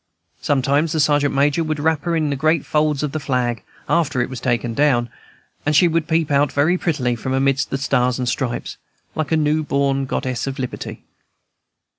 Sometimes the Sergeant Major would wrap her in the great folds of the flag, after it was taken down, and she would peep out very prettily from amidst the stars and stripes, like a new born Goddess of Liberty.